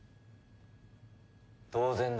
当然だ。